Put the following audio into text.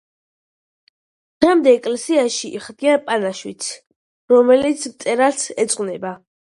დღემდე ეკლესიაში იხდიან პანაშვიდს, რომელიც მწერალს ეძღვნება.